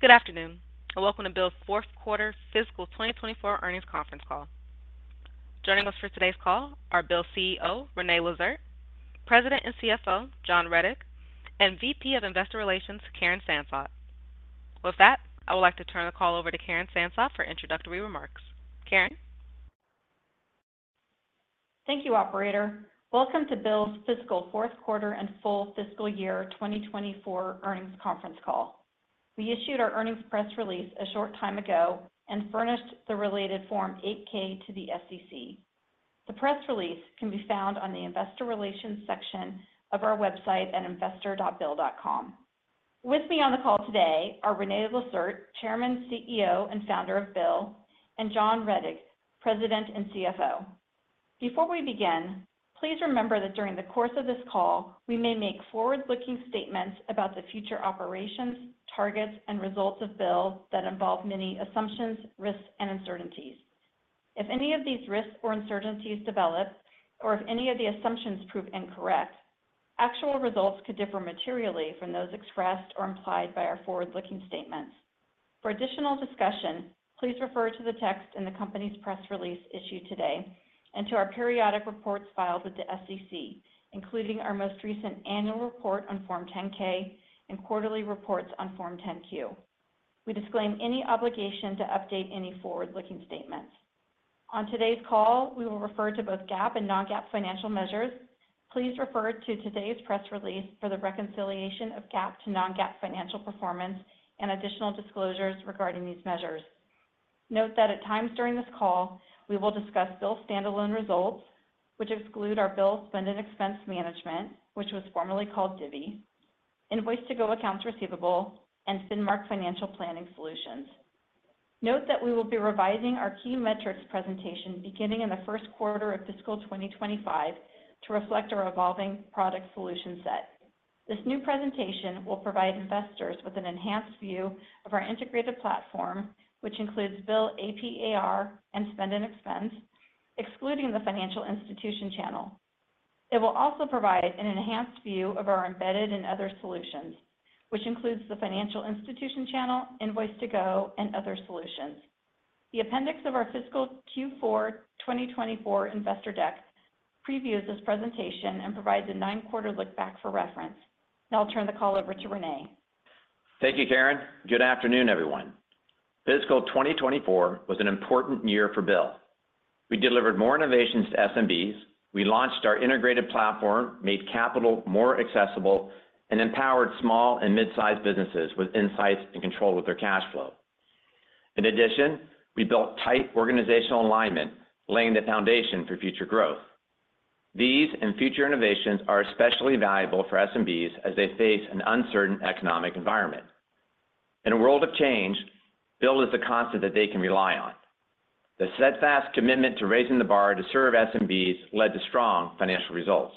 Good afternoon, and welcome to Bill's fourth quarter fiscal twenty twenty-four earnings conference call. Joining us for today's call are Bill's CEO, René Lacerte, President and CFO, John Rettig, and VP of Investor Relations, Karen Sansot. With that, I would like to turn the call over to Karen Sansot for introductory remarks. Karen? Thank you, operator. Welcome to Bill's fiscal fourth quarter and full fiscal year twenty twenty-four earnings conference call. We issued our earnings press release a short time ago and furnished the related Form 8-K to the SEC. The press release can be found on the Investor Relations section of our website at investor.bill.com. With me on the call today are René Lacerte, Chairman, CEO, and Founder of Bill, and John Rettig, President and CFO. Before we begin, please remember that during the course of this call, we may make forward-looking statements about the future operations, targets, and results of Bill that involve many assumptions, risks and uncertainties. If any of these risks or uncertainties develop, or if any of the assumptions prove incorrect, actual results could differ materially from those expressed or implied by our forward-looking statements. For additional discussion, please refer to the text in the company's press release issued today and to our periodic reports filed with the SEC, including our most recent annual report on Form 10-K and quarterly reports on Form 10-Q. We disclaim any obligation to update any forward-looking statements. On today's call, we will refer to both GAAP and non-GAAP financial measures. Please refer to today's press release for the reconciliation of GAAP to non-GAAP financial performance and additional disclosures regarding these measures. Note that at times during this call, we will discuss Bill standalone results, which exclude our Bill Spend and Expense Management, which was formerly called Divvy, Invoice2go Accounts Receivable, and Finmark Financial Planning Solutions. Note that we will be revising our key metrics presentation beginning in the first quarter of fiscal 2025 to reflect our evolving product solution set. This new presentation will provide investors with an enhanced view of our integrated platform, which includes Bill AP, AR, and Spend and Expense, excluding the financial institution channel. It will also provide an enhanced view of our embedded and other solutions, which includes the financial institution channel, Invoice2go, and other solutions. The appendix of our fiscal Q4 2024 investor deck previews this presentation and provides a nine-quarter look back for reference. Now I'll turn the call over to René. Thank you, Karen. Good afternoon, everyone. Fiscal 2024 was an important year for Bill. We delivered more innovations to SMBs, we launched our integrated platform, made capital more accessible, and empowered small and mid-sized businesses with insights and control of their cash flow. In addition, we built tight organizational alignment, laying the foundation for future growth. These and future innovations are especially valuable for SMBs as they face an uncertain economic environment. In a world of change, Bill is the constant that they can rely on. The steadfast commitment to raising the bar to serve SMBs led to strong financial results.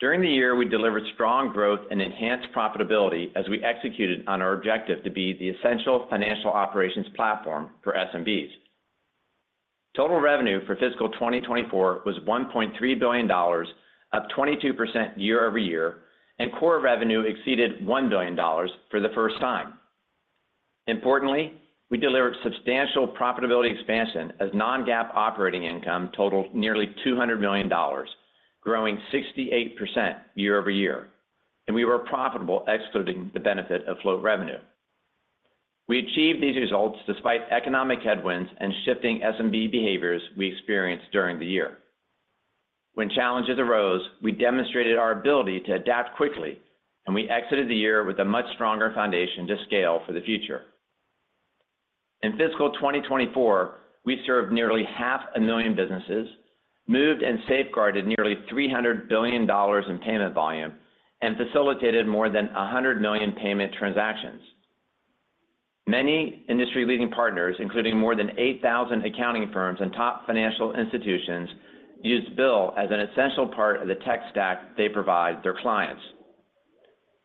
During the year, we delivered strong growth and enhanced profitability as we executed on our objective to be the essential financial operations platform for SMBs. Total revenue for fiscal 2024 was $1.3 billion, up 22% year over year, and core revenue exceeded $1 billion for the first time. Importantly, we delivered substantial profitability expansion as non-GAAP operating income totaled nearly $200 million, growing 68% year over year, and we were profitable excluding the benefit of float revenue. We achieved these results despite economic headwinds and shifting SMB behaviors we experienced during the year. When challenges arose, we demonstrated our ability to adapt quickly, and we exited the year with a much stronger foundation to scale for the future. In fiscal 2024, we served nearly 500,000 businesses, moved and safeguarded nearly $300 billion in payment volume, and facilitated more than 100 million payment transactions. Many industry-leading partners, including more than 8,000 accounting firms and top financial institutions, used Bill as an essential part of the tech stack they provide their clients.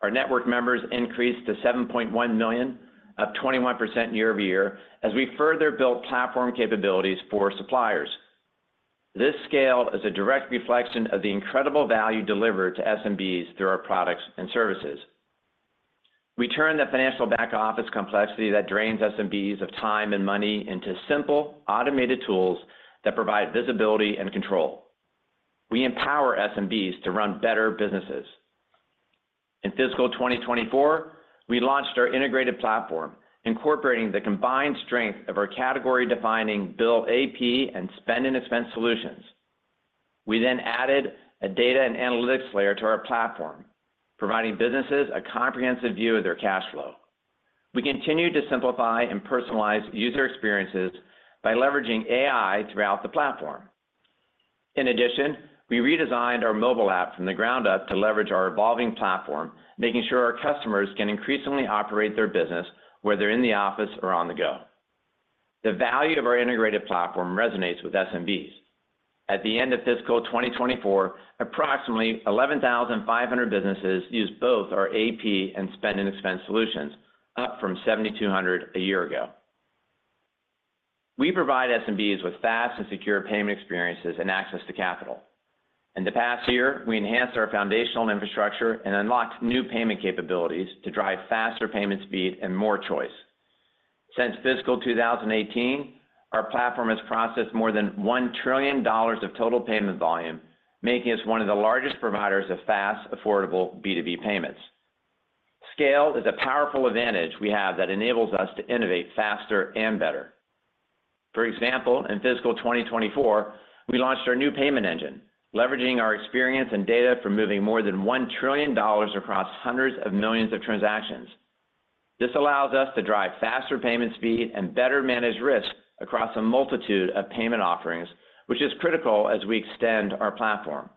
Our network members increased to 7.1 million, up 21% year over year, as we further built platform capabilities for suppliers. This scale is a direct reflection of the incredible value delivered to SMBs through our products and services. We turn the financial back-office complexity that drains SMBs of time and money into simple, automated tools that provide visibility and control. We empower SMBs to run better businesses. In fiscal 2024, we launched our integrated platform, incorporating the combined strength of our category-defining Bill AP and Spend and Expense solutions. We then added a data and analytics layer to our platform, providing businesses a comprehensive view of their cash flow. We continued to simplify and personalize user experiences by leveraging AI throughout the platform. In addition, we redesigned our mobile app from the ground up to leverage our evolving platform, making sure our customers can increasingly operate their business, whether in the office or on the go. The value of our integrated platform resonates with SMBs. At the end of fiscal 2024, approximately 11,500 businesses used both our AP and Spend and Expense solutions, up from 7,200 a year ago. We provide SMBs with fast and secure payment experiences and access to capital. In the past year, we enhanced our foundational infrastructure and unlocked new payment capabilities to drive faster payment speed and more choice. Since fiscal 2018, our platform has processed more than $1 trillion of total payment volume, making us one of the largest providers of fast, affordable B2B payments. Scale is a powerful advantage we have that enables us to innovate faster and better. For example, in fiscal 2024, we launched our new payment engine, leveraging our experience and data from moving more than $1 trillion across hundreds of millions of transactions. This allows us to drive faster payment speed and better manage risk across a multitude of payment offerings, which is critical as we extend our platform.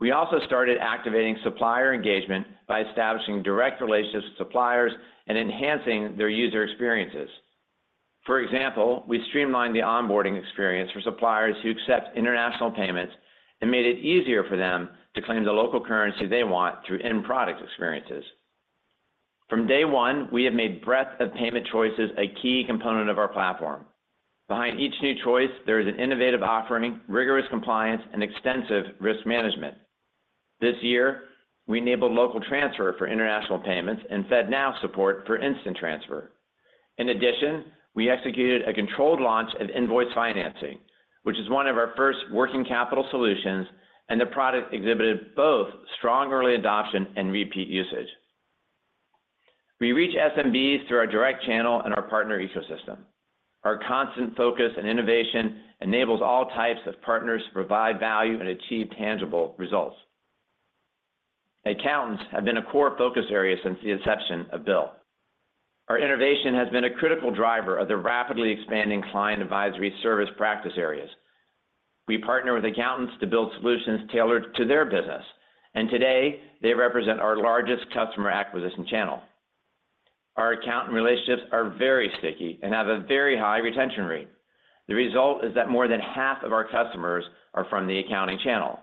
We also started activating supplier engagement by establishing direct relationships with suppliers and enhancing their user experiences. For example, we streamlined the onboarding experience for suppliers who accept international payments and made it easier for them to claim the local currency they want through end product experiences. From day one, we have made breadth of payment choices a key component of our platform. Behind each new choice, there is an innovative offering, rigorous compliance, and extensive risk management. This year, we enabled local transfer for international payments and FedNow support for instant transfer. In addition, we executed a controlled launch of invoice financing, which is one of our first working capital solutions, and the product exhibited both strong early adoption and repeat usage. We reach SMBs through our direct channel and our partner ecosystem. Our constant focus and innovation enables all types of partners to provide value and achieve tangible results. Accountants have been a core focus area since the inception of Bill. Our innovation has been a critical driver of the rapidly expanding client advisory service practice areas. We partner with accountants to build solutions tailored to their business, and today they represent our largest customer acquisition channel. Our accountant relationships are very sticky and have a very high retention rate. The result is that more than half of our customers are from the accounting channel.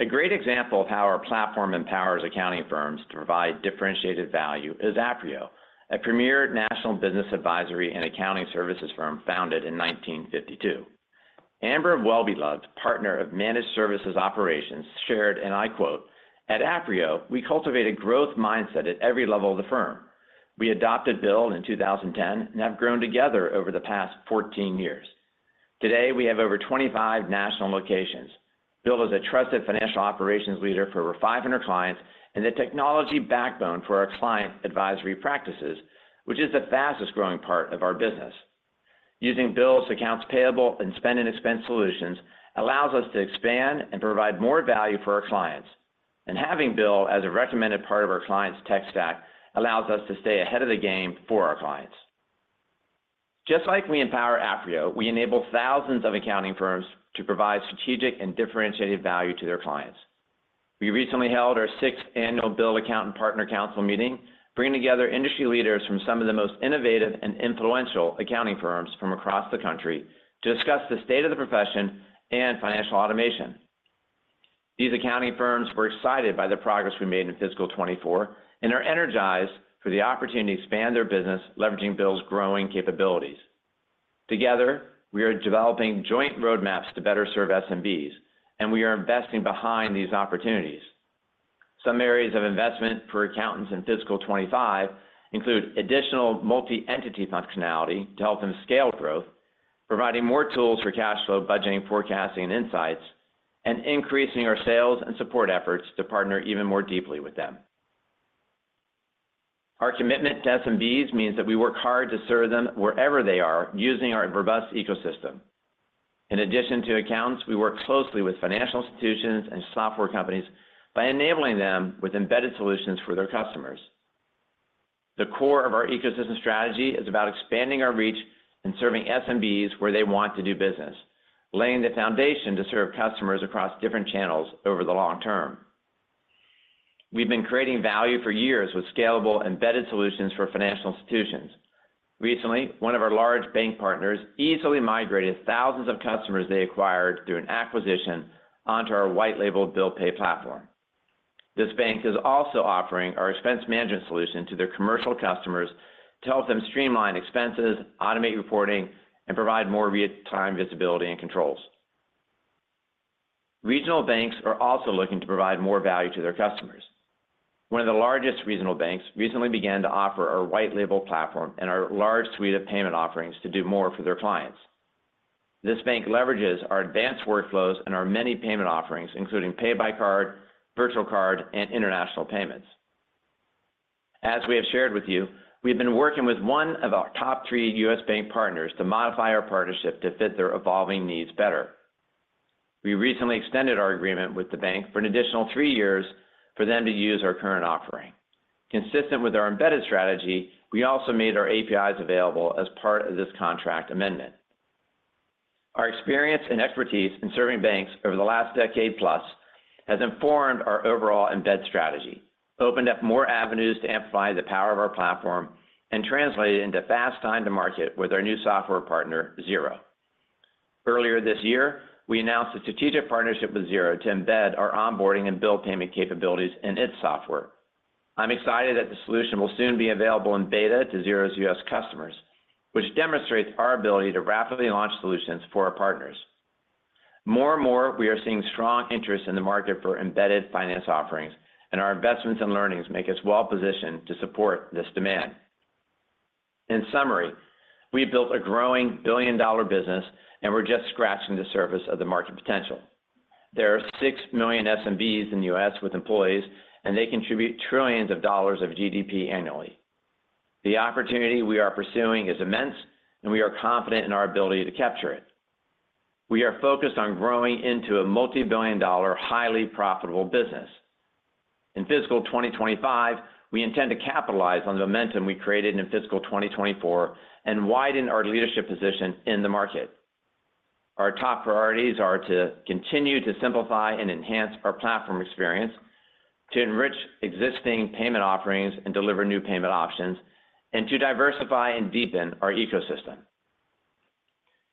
A great example of how our platform empowers accounting firms to provide differentiated value is Aprio, a premier national business advisory and accounting services firm founded in 1952. Amber Wellbeloved, Partner of Managed Services Operations, shared, and I quote, "At Aprio, we cultivate a growth mindset at every level of the firm. We adopted Bill in 2010 and have grown together over the past 14 years. Today, we have over 25 national locations. Bill is a trusted financial operations leader for over 500 clients and the technology backbone for our client advisory practices, which is the fastest growing part of our business. Using Bill's accounts payable and Spend and Expense solutions allows us to expand and provide more value for our clients, and having Bill as a recommended part of our client's tech stack allows us to stay ahead of the game for our clients. Just like we empower Aprio, we enable thousands of accounting firms to provide strategic and differentiated value to their clients. We recently held our sixth annual Bill Accountant Partner Council meeting, bringing together industry leaders from some of the most innovative and influential accounting firms from across the country to discuss the state of the profession and financial automation. These accounting firms were excited by the progress we made in fiscal twenty-four and are energized for the opportunity to expand their business, leveraging Bill's growing capabilities. Together, we are developing joint roadmaps to better serve SMBs, and we are investing behind these opportunities. Some areas of investment for accountants in fiscal 2025 include additional multi-entity functionality to help them scale growth, providing more tools for cash flow, budgeting, forecasting, and insights, and increasing our sales and support efforts to partner even more deeply with them. Our commitment to SMBs means that we work hard to serve them wherever they are, using our robust ecosystem. In addition to accountants, we work closely with financial institutions and software companies by enabling them with embedded solutions for their customers. The core of our ecosystem strategy is about expanding our reach and serving SMBs where they want to do business, laying the foundation to serve customers across different channels over the long term. We've been creating value for years with scalable embedded solutions for financial institutions. Recently, one of our large bank partners easily migrated thousands of customers they acquired through an acquisition onto our white label Bill pay platform. This bank is also offering our expense management solution to their commercial customers to help them streamline expenses, automate reporting, and provide more real-time visibility and controls. Regional banks are also looking to provide more value to their customers. One of the largest regional banks recently began to offer our white label platform and our large suite of payment offerings to do more for their clients. This bank leverages our advanced workflows and our many payment offerings, including pay by card, virtual card, and international payments. As we have shared with you, we've been working with one of our top three U.S. bank partners to modify our partnership to fit their evolving needs better. We recently extended our agreement with the bank for an additional three years for them to use our current offering. Consistent with our embedded strategy, we also made our APIs available as part of this contract amendment. Our experience and expertise in serving banks over the last decade plus has informed our overall embed strategy, opened up more avenues to amplify the power of our platform, and translated into fast time to market with our new software partner, Xero. Earlier this year, we announced a strategic partnership with Xero to embed our onboarding and bill payment capabilities in its software. I'm excited that the solution will soon be available in beta to Xero's U.S. customers, which demonstrates our ability to rapidly launch solutions for our partners. More and more, we are seeing strong interest in the market for embedded finance offerings, and our investments and learnings make us well-positioned to support this demand. In summary, we've built a growing billion-dollar business, and we're just scratching the surface of the market potential. There are six million SMBs in the U.S. with employees, and they contribute trillions of dollars of GDP annually. The opportunity we are pursuing is immense, and we are confident in our ability to capture it. We are focused on growing into a multi-billion dollar, highly profitable business. In fiscal twenty twenty-five, we intend to capitalize on the momentum we created in fiscal twenty twenty-four and widen our leadership position in the market. Our top priorities are to continue to simplify and enhance our platform experience, to enrich existing payment offerings and deliver new payment options, and to diversify and deepen our ecosystem.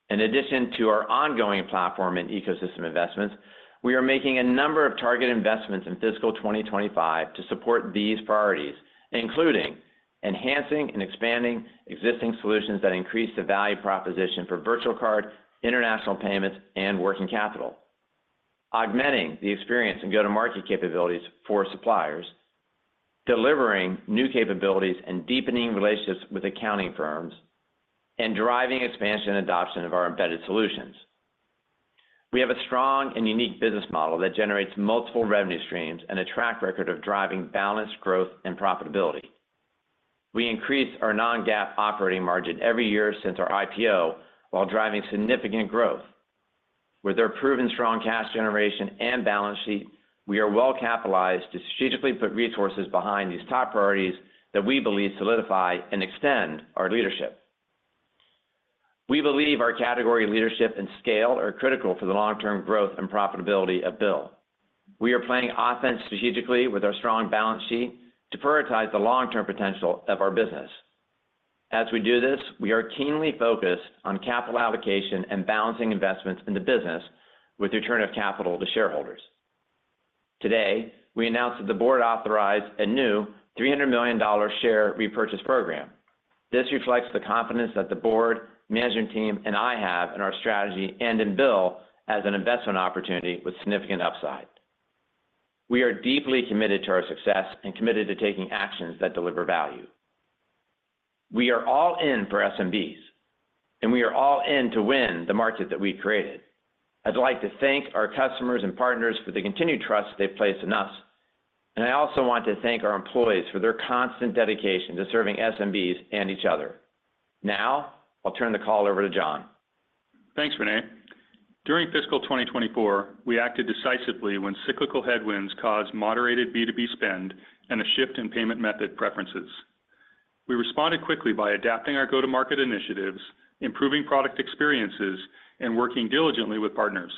In addition to our ongoing platform and ecosystem investments, we are making a number of target investments in fiscal 2025 to support these priorities, including enhancing and expanding existing solutions that increase the value proposition for virtual card, international payments, and working capital, augmenting the experience and go-to-market capabilities for suppliers, delivering new capabilities and deepening relationships with accounting firms, and driving expansion and adoption of our embedded solutions. We have a strong and unique business model that generates multiple revenue streams and a track record of driving balanced growth and profitability. We increased our non-GAAP operating margin every year since our IPO, while driving significant growth. With our proven strong cash generation and balance sheet, we are well-capitalized to strategically put resources behind these top priorities that we believe solidify and extend our leadership. We believe our category leadership and scale are critical for the long-term growth and profitability of Bill. We are playing offense strategically with our strong balance sheet to prioritize the long-term potential of our business. As we do this, we are keenly focused on capital allocation and balancing investments in the business with return of capital to shareholders. Today, we announced that the board authorized a new $300 million share repurchase program. This reflects the confidence that the board, management team, and I have in our strategy and in Bill as an investment opportunity with significant upside. We are deeply committed to our success and committed to taking actions that deliver value. We are all in for SMBs, and we are all in to win the market that we've created. I'd like to thank our customers and partners for the continued trust they've placed in us, and I also want to thank our employees for their constant dedication to serving SMBs and each other. Now, I'll turn the call over to John. Thanks, René. During fiscal twenty twenty-four, we acted decisively when cyclical headwinds caused moderated B2B spend and a shift in payment method preferences. We responded quickly by adapting our go-to-market initiatives, improving product experiences, and working diligently with partners.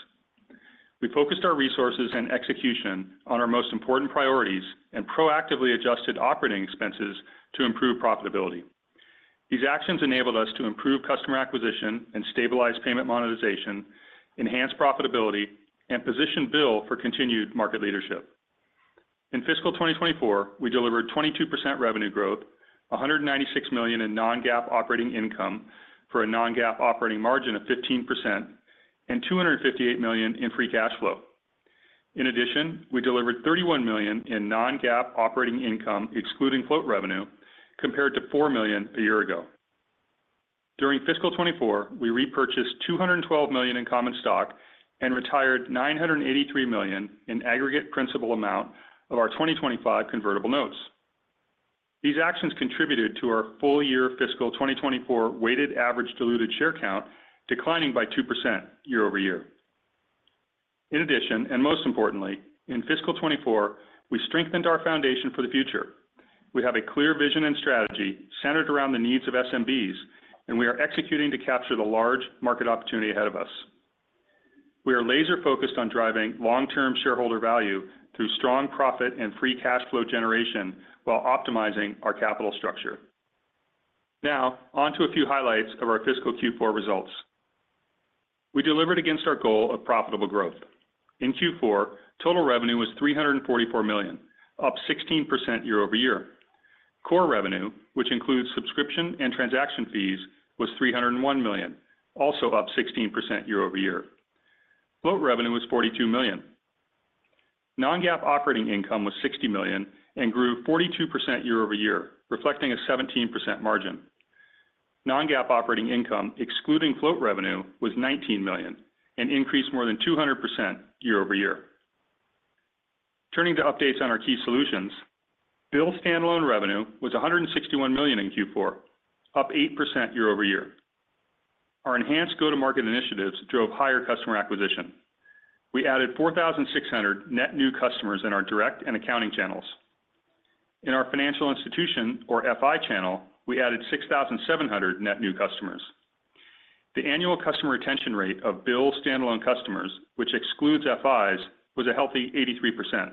We focused our resources and execution on our most important priorities and proactively adjusted operating expenses to improve profitability. These actions enabled us to improve customer acquisition and stabilize payment monetization, enhance profitability, and position Bill for continued market leadership. In fiscal twenty twenty-four, we delivered 22% revenue growth, $196 million in non-GAAP operating income, for a non-GAAP operating margin of 15%, and $258 million in free cash flow. In addition, we delivered $31 million in non-GAAP operating income, excluding float revenue, compared to $4 million a year ago. During fiscal 2024, we repurchased $212 million in common stock and retired $983 million in aggregate principal amount of our 2025 convertible notes. These actions contributed to our full-year fiscal 2024 weighted average diluted share count, declining by 2% year over year. In addition, and most importantly, in fiscal 2024, we strengthened our foundation for the future. We have a clear vision and strategy centered around the needs of SMBs, and we are executing to capture the large market opportunity ahead of us. We are laser-focused on driving long-term shareholder value through strong profit and free cash flow generation while optimizing our capital structure. Now, on to a few highlights of our fiscal Q4 results. We delivered against our goal of profitable growth. In Q4, total revenue was $344 million, up 16% year over year. Core revenue, which includes subscription and transaction fees, was $301 million, also up 16% year over year. Float revenue was $42 million. Non-GAAP operating income was $60 million and grew 42% year over year, reflecting a 17% margin. Non-GAAP operating income, excluding float revenue, was $19 million and increased more than 200% year over year. Turning to updates on our key solutions. Bill standalone revenue was $161 million in Q4, up 8% year over year. Our enhanced go-to-market initiatives drove higher customer acquisition. We added 4,600 net new customers in our direct and accounting channels. In our financial institution, or FI channel, we added 6,700 net new customers. The annual customer retention rate of Bill standalone customers, which excludes FIs, was a healthy 83%....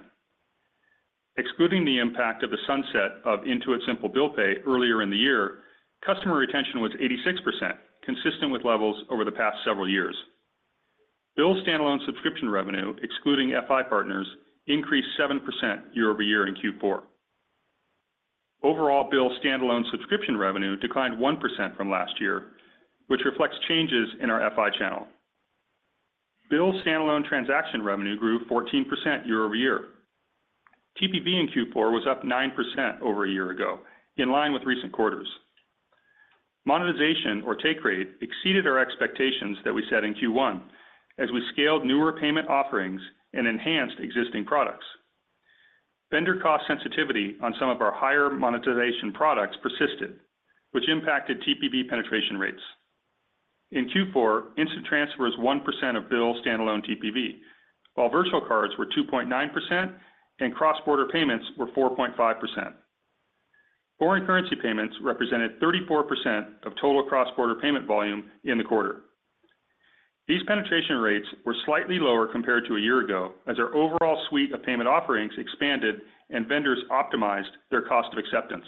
Excluding the impact of the sunset of Intuit Simple Bill Pay earlier in the year, customer retention was 86%, consistent with levels over the past several years. Bill standalone subscription revenue, excluding FI partners, increased 7% year-over-year in Q4. Overall, Bill standalone subscription revenue declined 1% from last year, which reflects changes in our FI channel. Bill standalone transaction revenue grew 14% year-over-year. TPV in Q4 was up 9% over a year ago, in line with recent quarters. Monetization or take rate exceeded our expectations that we set in Q1 as we scaled newer payment offerings and enhanced existing products. Vendor cost sensitivity on some of our higher monetization products persisted, which impacted TPV penetration rates. In Q4, instant transfer was 1% of Bill standalone TPV, while virtual cards were 2.9% and cross-border payments were 4.5%. Foreign currency payments represented 34% of total cross-border payment volume in the quarter. These penetration rates were slightly lower compared to a year ago, as our overall suite of payment offerings expanded and vendors optimized their cost of acceptance.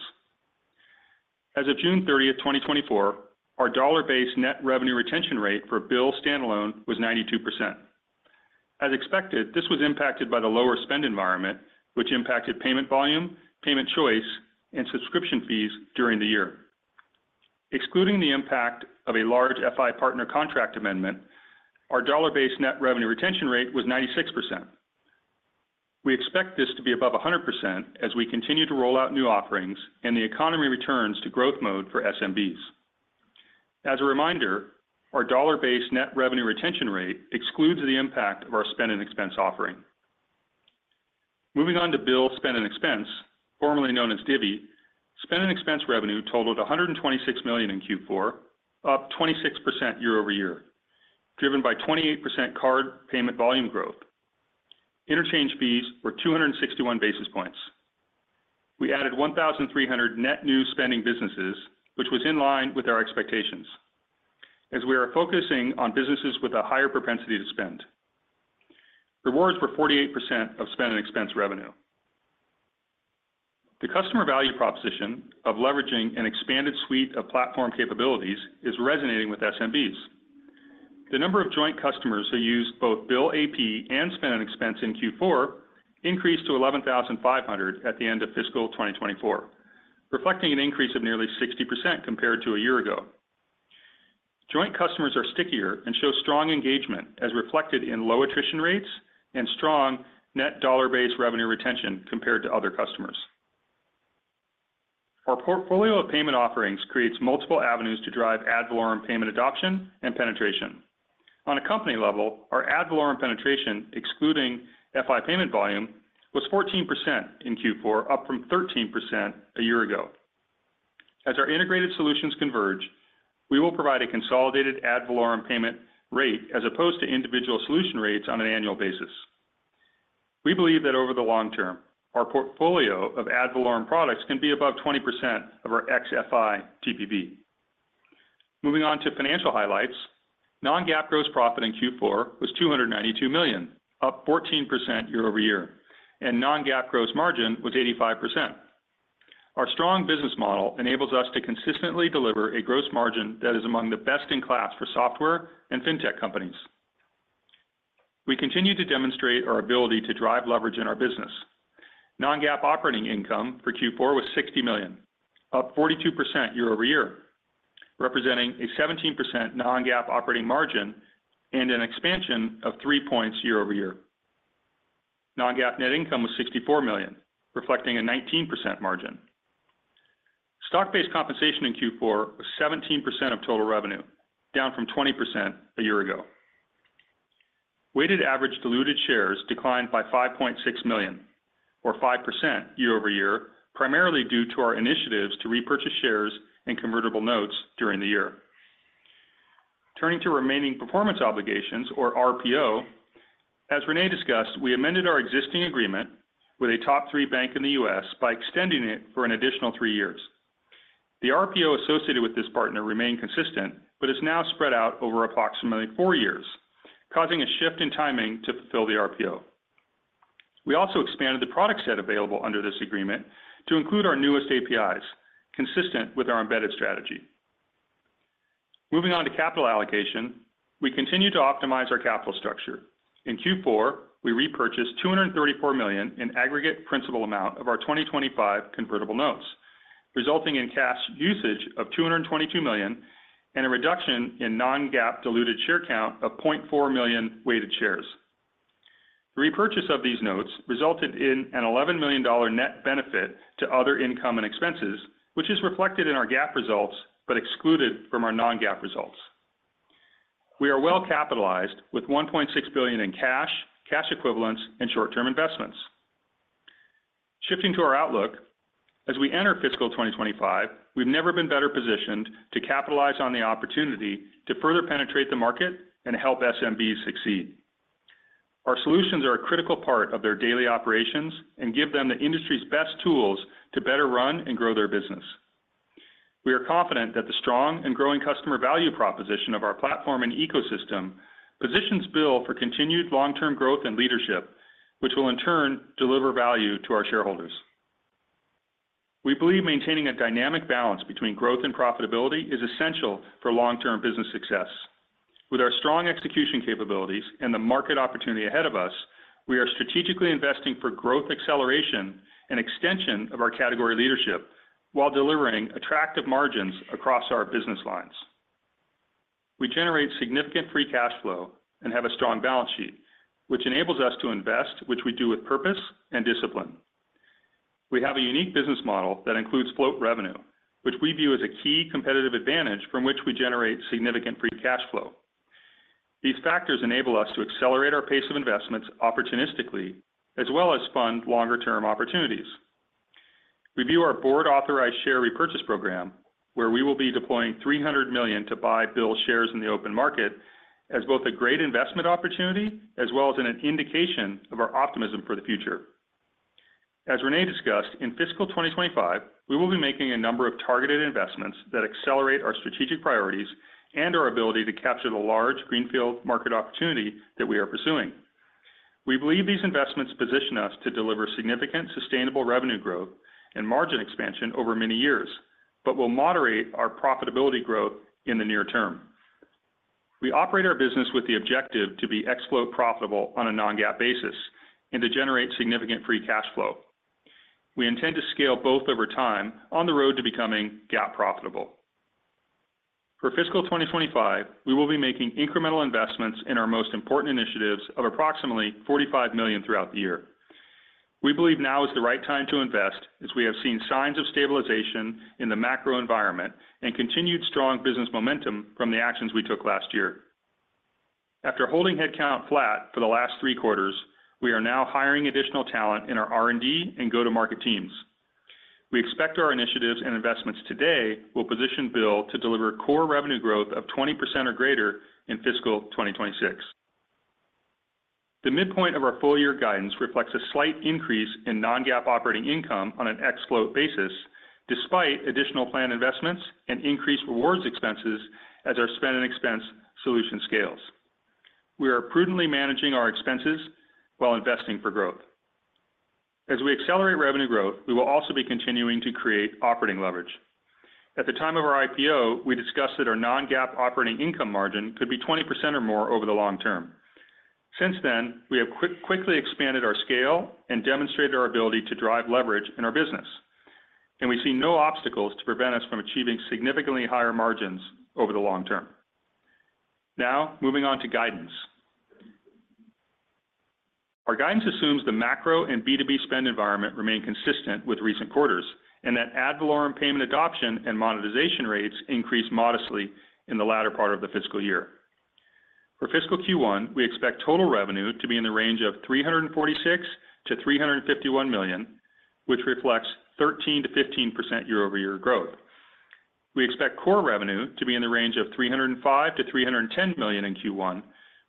As of June thirtieth, 2024, our dollar-based net revenue retention rate for Bill standalone was 92%. As expected, this was impacted by the lower spend environment, which impacted payment volume, payment choice, and subscription fees during the year. Excluding the impact of a large FI partner contract amendment, our dollar-based net revenue retention rate was 96%. We expect this to be above 100% as we continue to roll out new offerings and the economy returns to growth mode for SMBs. As a reminder, our dollar-based net revenue retention rate excludes the impact of our Spend and Expense offering. Moving on to Bill Spend and Expense, formerly known as Divvy, Spend and Expense revenue totaled $126 million in Q4, up 26% year-over-year, driven by 28% card payment volume growth. Interchange fees were 261 basis points. We added 1,300 net new spending businesses, which was in line with our expectations, as we are focusing on businesses with a higher propensity to spend. Rewards were 48% of Spend and Expense revenue. The customer value proposition of leveraging an expanded suite of platform capabilities is resonating with SMBs. The number of joint customers who used both Bill AP and Spend and Expense in Q4 increased to 11,500 at the end of fiscal 2024, reflecting an increase of nearly 60% compared to a year ago. Joint customers are stickier and show strong engagement, as reflected in low attrition rates and strong net dollar-based revenue retention compared to other customers. Our portfolio of payment offerings creates multiple avenues to drive ad valorem payment adoption and penetration. On a company level, our ad valorem penetration, excluding FI payment volume, was 14% in Q4, up from 13% a year ago. As our integrated solutions converge, we will provide a consolidated ad valorem payment rate as opposed to individual solution rates on an annual basis. We believe that over the long term, our portfolio of ad valorem products can be above 20% of our ex-FI TPV. Moving on to financial highlights. Non-GAAP gross profit in Q4 was $292 million, up 14% year-over-year, and non-GAAP gross margin was 85%. Our strong business model enables us to consistently deliver a gross margin that is among the best-in-class for software and fintech companies. We continue to demonstrate our ability to drive leverage in our business. Non-GAAP operating income for Q4 was $60 million, up 42% year-over-year, representing a 17% non-GAAP operating margin and an expansion of three points year-over-year. Non-GAAP net income was $64 million, reflecting a 19% margin. Stock-based compensation in Q4 was 17% of total revenue, down from 20% a year ago. Weighted average diluted shares declined by 5.6 million, or 5% year-over-year, primarily due to our initiatives to repurchase shares and convertible notes during the year. Turning to remaining performance obligations or RPO, as René discussed, we amended our existing agreement with a top-three bank in the US by extending it for an additional three years. The RPO associated with this partner remained consistent, but is now spread out over approximately four years, causing a shift in timing to fulfill the RPO. We also expanded the product set available under this agreement to include our newest APIs, consistent with our embedded strategy. Moving on to capital allocation. We continue to optimize our capital structure. In Q4, we repurchased $234 million in aggregate principal amount of our 2025 convertible notes, resulting in cash usage of $222 million and a reduction in non-GAAP diluted share count of 0.4 million weighted shares. Repurchase of these notes resulted in an $11 million net benefit to other income and expenses, which is reflected in our GAAP results but excluded from our non-GAAP results. We are well-capitalized with $1.6 billion in cash, cash equivalents, and short-term investments. Shifting to our outlook, as we enter fiscal twenty twenty-five, we've never been better positioned to capitalize on the opportunity to further penetrate the market and help SMBs succeed. Our solutions are a critical part of their daily operations and give them the industry's best tools to better run and grow their business. We are confident that the strong and growing customer value proposition of our platform and ecosystem positions Bill for continued long-term growth and leadership, which will in turn deliver value to our shareholders. We believe maintaining a dynamic balance between growth and profitability is essential for long-term business success. With our strong execution capabilities and the market opportunity ahead of us, we are strategically investing for growth, acceleration, and extension of our category leadership while delivering attractive margins across our business lines. We generate significant free cash flow and have a strong balance sheet, which enables us to invest, which we do with purpose and discipline. We have a unique business model that includes float revenue, which we view as a key competitive advantage from which we generate significant free cash flow. These factors enable us to accelerate our pace of investments opportunistically, as well as fund longer-term opportunities. We view our board-authorized share repurchase program, where we will be deploying $300 million to buy Bill shares in the open market, as both a great investment opportunity, as well as an indication of our optimism for the future. As René discussed, in fiscal 2025, we will be making a number of targeted investments that accelerate our strategic priorities and our ability to capture the large greenfield market opportunity that we are pursuing. We believe these investments position us to deliver significant, sustainable revenue growth and margin expansion over many years, but will moderate our profitability growth in the near term. We operate our business with the objective to be ex-float profitable on a non-GAAP basis and to generate significant free cash flow. We intend to scale both over time on the road to becoming GAAP profitable. For fiscal twenty twenty-five, we will be making incremental investments in our most important initiatives of approximately $45 million throughout the year. We believe now is the right time to invest, as we have seen signs of stabilization in the macro environment and continued strong business momentum from the actions we took last year. After holding headcount flat for the last three quarters, we are now hiring additional talent in our R&D and go-to-market teams. We expect our initiatives and investments today will position Bill to deliver core revenue growth of 20% or greater in fiscal 2026. The midpoint of our full-year guidance reflects a slight increase in non-GAAP operating income on an ex-float basis, despite additional planned investments and increased rewards expenses as our Spend and Expense solution scales. We are prudently managing our expenses while investing for growth. As we accelerate revenue growth, we will also be continuing to create operating leverage. At the time of our IPO, we discussed that our non-GAAP operating income margin could be 20% or more over the long term. Since then, we have quickly expanded our scale and demonstrated our ability to drive leverage in our business, and we see no obstacles to prevent us from achieving significantly higher margins over the long term. Now, moving on to guidance. Our guidance assumes the macro and B2B spend environment remain consistent with recent quarters, and that ad valorem payment adoption and monetization rates increase modestly in the latter part of the fiscal year. For fiscal Q1, we expect total revenue to be in the range of $346 million-$351 million, which reflects 13%-15% year-over-year growth. We expect core revenue to be in the range of $305 million-$310 million in Q1,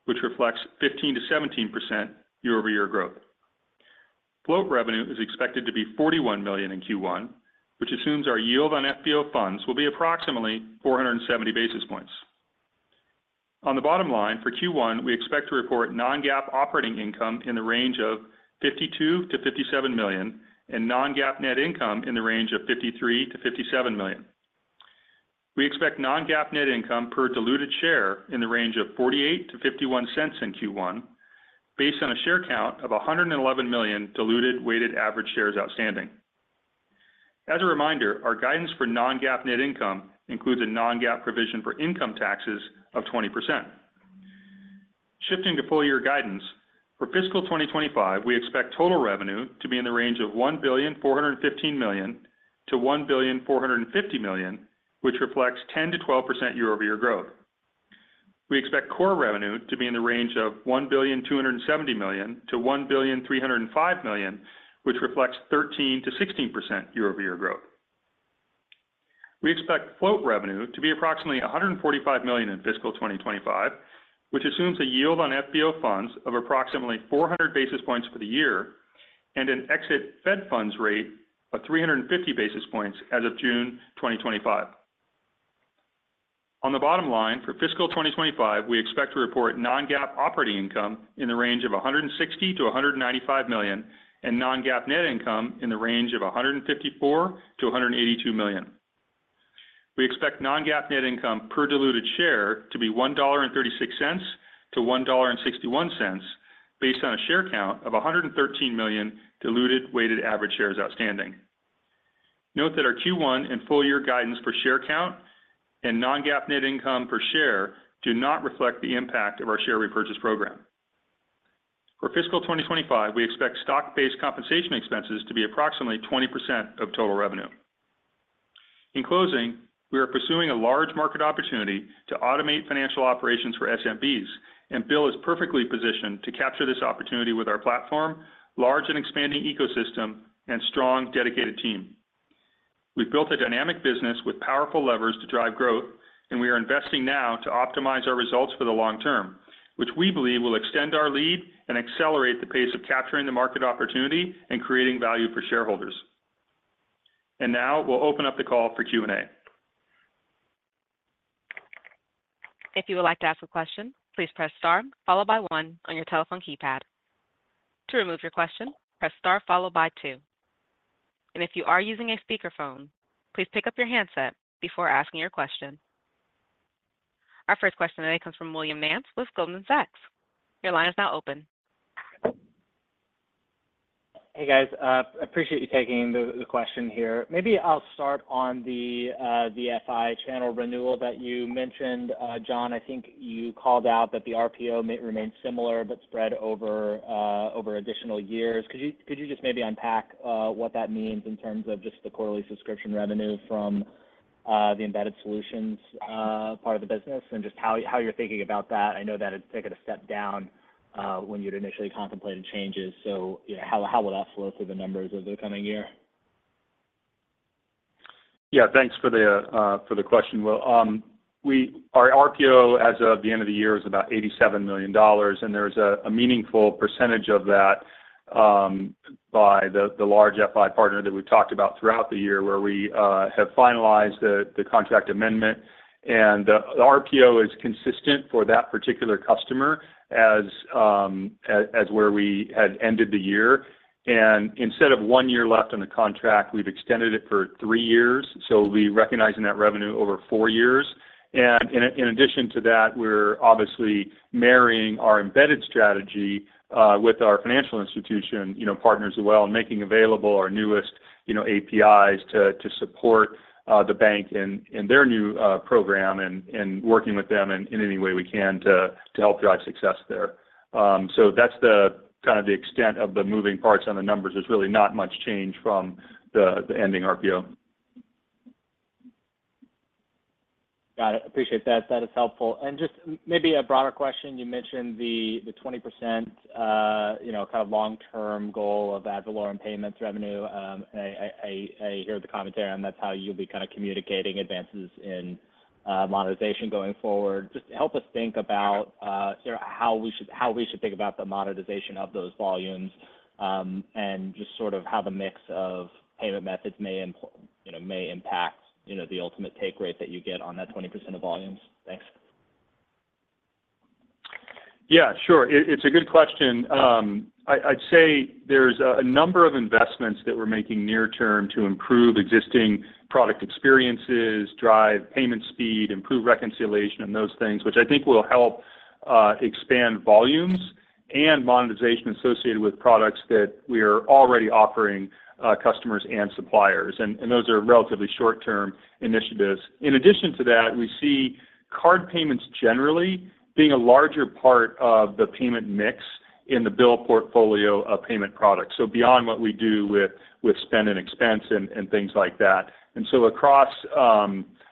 which reflects 15%-17% year-over-year growth. Float revenue is expected to be $41 million in Q1, which assumes our yield on FBO funds will be approximately 470 basis points. On the bottom line, for Q1, we expect to report non-GAAP operating income in the range of $52 million-$57 million, and non-GAAP net income in the range of $53 million-$57 million. We expect non-GAAP net income per diluted share in the range of $0.48-$0.51 in Q1, based on a share count of 111 million diluted weighted average shares outstanding. As a reminder, our guidance for non-GAAP net income includes a non-GAAP provision for income taxes of 20%. Shifting to full-year guidance, for fiscal 2025, we expect total revenue to be in the range of $1.415 billion-$1.45 billion, which reflects 10%-12% year-over-year growth. We expect core revenue to be in the range of $1.27 billion-$1.305 billion, which reflects 13%-16% year-over-year growth. We expect float revenue to be approximately $145 million in fiscal 2025, which assumes a yield on FBO funds of approximately 400 basis points for the year and an exit Fed funds rate of 350 basis points as of June 2025. On the bottom line, for fiscal 2025, we expect to report non-GAAP operating income in the range of $160-$195 million, and non-GAAP net income in the range of $154-$182 million. We expect non-GAAP net income per diluted share to be $1.36-$1.61, based on a share count of 113 million diluted weighted average shares outstanding. Note that our Q1 and full year guidance per share count and non-GAAP net income per share do not reflect the impact of our share repurchase program. For fiscal twenty twenty-five, we expect stock-based compensation expenses to be approximately 20% of total revenue. In closing, we are pursuing a large market opportunity to automate financial operations for SMBs, and Bill is perfectly positioned to capture this opportunity with our platform, large and expanding ecosystem, and strong, dedicated team. We've built a dynamic business with powerful levers to drive growth, and we are investing now to optimize our results for the long term. which we believe will extend our lead and accelerate the pace of capturing the market opportunity and creating value for shareholders. And now we'll open up the call for Q&A. If you would like to ask a question, please press star, followed by one on your telephone keypad. To remove your question, press star, followed by two. And if you are using a speakerphone, please pick up your handset before asking your question. Our first question today comes from William Nance with Goldman Sachs. Your line is now open. Hey, guys, I appreciate you taking the question here. Maybe I'll start on the FI channel renewal that you mentioned. John, I think you called out that the RPO may remain similar, but spread over additional years. Could you just maybe unpack what that means in terms of just the quarterly subscription revenue from the embedded solutions part of the business? And just how you're thinking about that. I know that it's taken a step down when you'd initially contemplated changes, so, you know, how will that flow through the numbers over the coming year? Yeah, thanks for the question. Well, our RPO, as of the end of the year, is about $87 million, and there's a meaningful percentage of that by the large FI partner that we've talked about throughout the year, where we have finalized the contract amendment. And the RPO is consistent for that particular customer as where we had ended the year. And instead of one year left on the contract, we've extended it for three years, so we'll be recognizing that revenue over four years. And in addition to that, we're obviously marrying our embedded strategy with our financial institution, you know, partners as well, and making available our newest, you know, APIs to support the bank in their new program, and working with them in any way we can to help drive success there. So that's kind of the extent of the moving parts on the numbers. There's really not much change from the ending RPO. Got it. Appreciate that. That is helpful. And just maybe a broader question: You mentioned the twenty percent, you know, kind of long-term goal of ad valorem payments revenue. I hear the commentary, and that's how you'll be kind of communicating advances in monetization going forward. Just help us think about sort of how we should think about the monetization of those volumes, and just sort of how the mix of payment methods may you know, may impact, you know, the ultimate take rate that you get on that 20% of volumes. Thanks. Yeah, sure. It's a good question. I'd say there's a number of investments that we're making near term to improve existing product experiences, drive payment speed, improve reconciliation, and those things, which I think will help expand volumes and monetization associated with products that we are already offering customers and suppliers, and those are relatively short-term initiatives. In addition to that, we see card payments generally being a larger part of the payment mix in the Bill portfolio of payment products, so beyond what we do with Spend and Expense and things like that. And so across,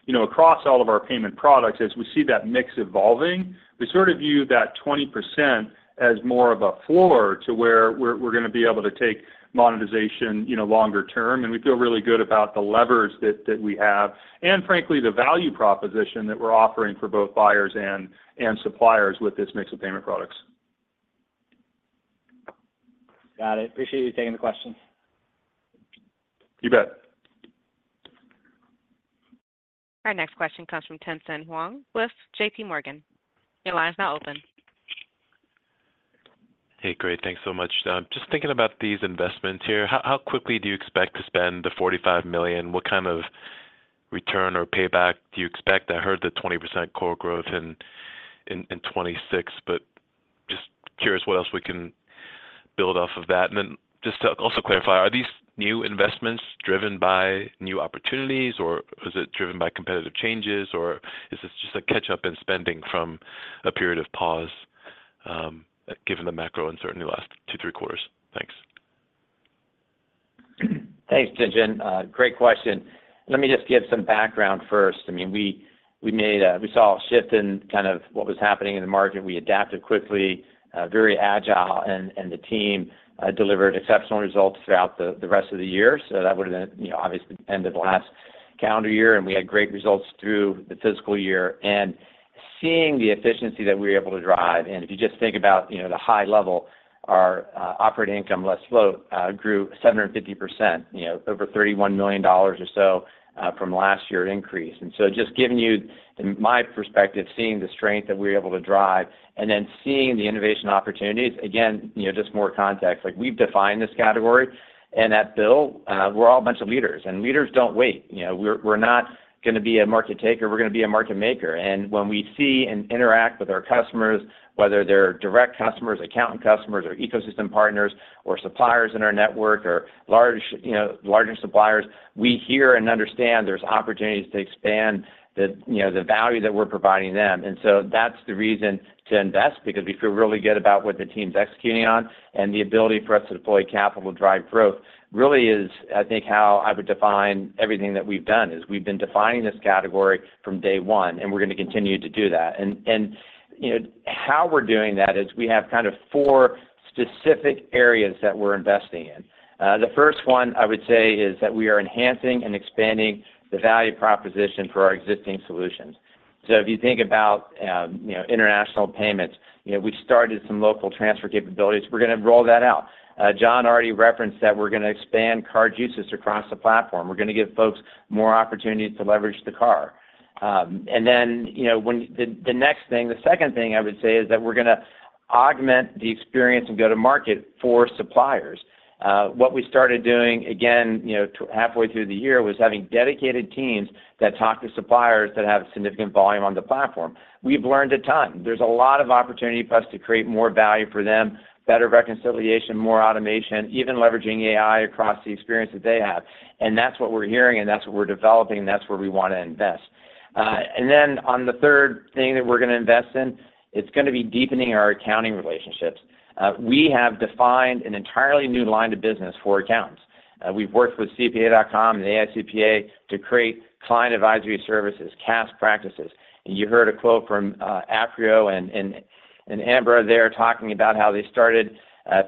you know, across all of our payment products, as we see that mix evolving, we sort of view that 20% as more of a floor to where we're gonna be able to take monetization, you know, longer term. We feel really good about the levers that we have, and frankly, the value proposition that we're offering for both buyers and suppliers with this mix of payment products. Got it. Appreciate you taking the question. You bet. Our next question comes from Tien-Tsin Huang with J.P. Morgan. Your line is now open. Hey, great. Thanks so much. Just thinking about these investments here, how quickly do you expect to spend the $45 million? What kind of return or payback do you expect? I heard the 20% core growth in 2026, but just curious what else we can build off of that. And then just to also clarify, are these new investments driven by new opportunities, or is it driven by competitive changes, or is this just a catch-up in spending from a period of pause, given the macro uncertainty last two, three quarters? Thanks. Thanks, Tien-Tsin. Great question. Let me just give some background first. I mean, we saw a shift in kind of what was happening in the market. We adapted quickly, very agile, and the team delivered exceptional results throughout the rest of the year. So that would've been, you know, obviously, the end of the last calendar year, and we had great results through the fiscal year. Seeing the efficiency that we were able to drive, and if you just think about, you know, the high level, our operating income, less float, grew 750%, you know, over $31 million or so, from last year's increase. And so just giving you my perspective, seeing the strength that we're able to drive, and then seeing the innovation opportunities, again, you know, just more context, like, we've defined this category. And at Bill, we're all a bunch of leaders, and leaders don't wait. You know, we're, we're not gonna be a market taker, we're gonna be a market maker. And when we see and interact with our customers, whether they're direct customers, accountant customers, or ecosystem partners, or suppliers in our network, or large, you know, larger suppliers, we hear and understand there's opportunities to expand the, you know, the value that we're providing them. And so that's the reason to invest, because we feel really good about what the team's executing on. And the ability for us to deploy capital to drive growth really is, I think, how I would define everything that we've done, is we've been defining this category from day one, and we're gonna continue to do that. And, you know, how we're doing that is we have kind of four specific areas that we're investing in. The first one, I would say, is that we are enhancing and expanding the value proposition for our existing solutions. So if you think about, you know, international payments, you know, we started some local transfer capabilities. We're gonna roll that out. John already referenced that we're gonna expand ACH uses across the platform. We're gonna give folks more opportunities to leverage the ACH. And then, you know, the next thing, the second thing I would say, is that we're gonna augment the experience and go-to-market for suppliers. What we started doing again, you know, halfway through the year, was having dedicated teams that talk to suppliers that have significant volume on the platform. We've learned a ton. There's a lot of opportunity for us to create more value for them, better reconciliation, more automation, even leveraging AI across the experience that they have, and that's what we're hearing, and that's what we're developing, and that's where we wanna invest. And then on the third thing that we're gonna invest in, it's gonna be deepening our accounting relationships. We have defined an entirely new line of business for accountants. We've worked with CPA.com and AICPA to create client advisory services, CAS practices. And you heard a quote from Aprio and Amber there, talking about how they started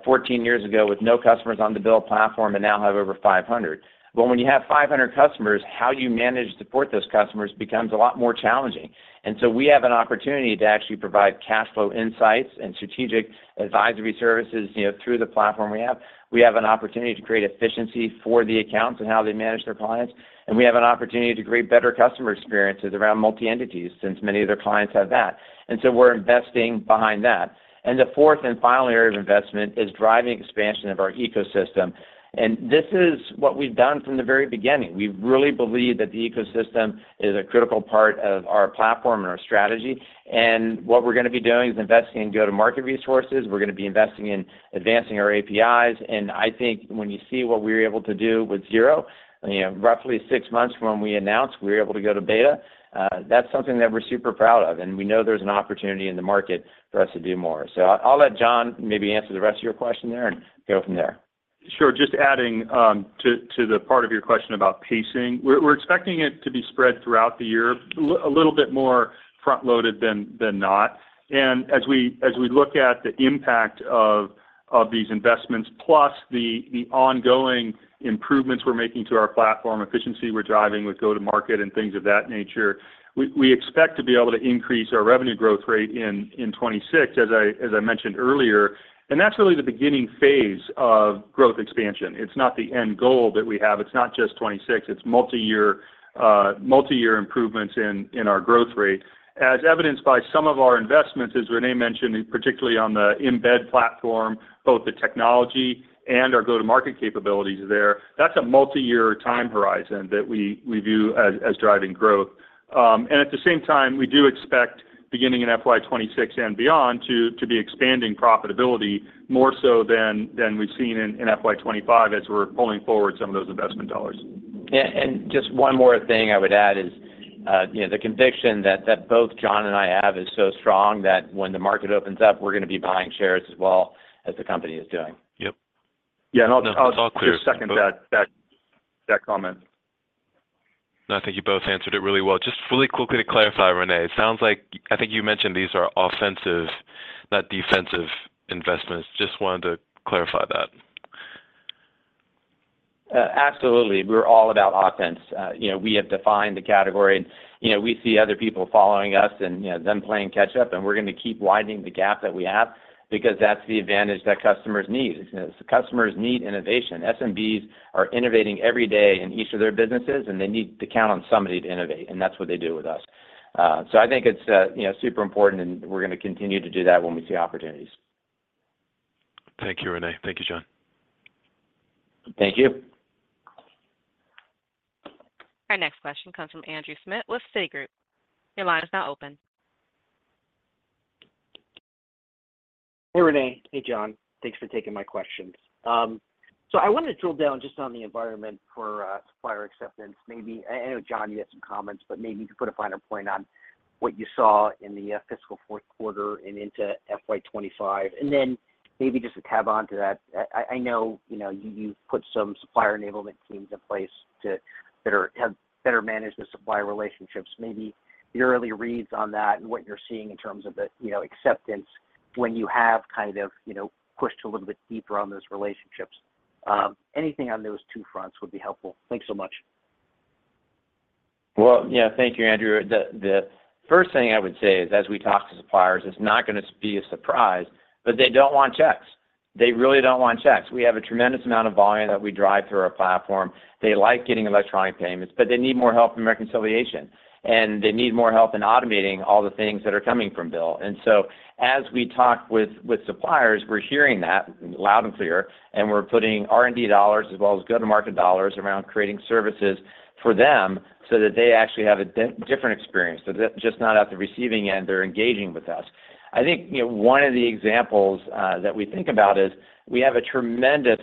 14 years ago with no customers on the Bill platform, and now have over 500. Well, when you have 500 customers, how you manage to support those customers becomes a lot more challenging. And so we have an opportunity to actually provide cash flow insights and strategic advisory services, you know, through the platform we have. We have an opportunity to create efficiency for the accounts and how they manage their clients, and we have an opportunity to create better customer experiences around multi-entities, since many of their clients have that. And so we're investing behind that. And the fourth and final area of investment is driving expansion of our ecosystem, and this is what we've done from the very beginning. We really believe that the ecosystem is a critical part of our platform and our strategy, and what we're gonna be doing is investing in go-to-market resources. We're gonna be investing in advancing our APIs, and I think when you see what we're able to do with Xero, you know, roughly six months from when we announced, we were able to go to beta, that's something that we're super proud of, and we know there's an opportunity in the market for us to do more, so I'll let John maybe answer the rest of your question there, and go from there. Sure. Just adding to the part of your question about pacing. We're expecting it to be spread throughout the year, a little bit more front-loaded than not. And as we look at the impact of these investments, plus the ongoing improvements we're making to our platform, efficiency we're driving with go-to-market, and things of that nature, we expect to be able to increase our revenue growth rate in 2026, as I mentioned earlier, and that's really the beginning phase of growth expansion. It's not the end goal that we have. It's not just 2026, it's multiyear, multiyear improvements in our growth rate. As evidenced by some of our investments, as René mentioned, and particularly on the Embed platform, both the technology and our go-to-market capabilities there, that's a multiyear time horizon that we view as driving growth. And at the same time, we do expect, beginning in FY 2026 and beyond, to be expanding profitability more so than we've seen in FY 2025, as we're pulling forward some of those investment dollars. Yeah, and just one more thing I would add is, you know, the conviction that both John and I have is so strong, that when the market opens up, we're gonna be buying shares as well as the company is doing. Yep. Yeah, and I'll. No, it's all clear. Just second that comment. No, I think you both answered it really well. Just really quickly to clarify, René, it sounds like... I think you mentioned these are offensive, not defensive investments. Just wanted to clarify that. Absolutely. We're all about offense. You know, we have defined the category. You know, we see other people following us and, you know, them playing catch-up, and we're gonna keep widening the gap that we have because that's the advantage that customers need. You know, so customers need innovation. SMBs are innovating every day in each of their businesses, and they need to count on somebody to innovate, and that's what they do with us. So I think it's, you know, super important, and we're gonna continue to do that when we see opportunities. Thank you, René. Thank you, John. Thank you. Our next question comes from Andrew Schmidt with Citigroup. Your line is now open. Hey, René. Hey, John. Thanks for taking my questions. So I wanted to drill down just on the environment for supplier acceptance. Maybe I know, John, you had some comments, but maybe you could put a finer point on what you saw in the fiscal fourth quarter and into FY 2025. And then maybe just to tap on to that, I know, you know, you've put some supplier enablement teams in place to better manage the supplier relationships. Maybe your early reads on that and what you're seeing in terms of the acceptance when you have kind of you know pushed a little bit deeper on those relationships. Anything on those two fronts would be helpful. Thanks so much. Well, yeah. Thank you, Andrew. The first thing I would say is, as we talk to suppliers, it's not gonna be a surprise, but they don't want checks. They really don't want checks. We have a tremendous amount of volume that we drive through our platform. They like getting electronic payments, but they need more help in reconciliation, and they need more help in automating all the things that are coming from Bill. And so as we talk with suppliers, we're hearing that loud and clear, and we're putting R&D dollars, as well as go-to-market dollars, around creating services for them, so that they actually have a different experience. So they're just not at the receiving end, they're engaging with us. I think, you know, one of the examples that we think about is, we have a tremendous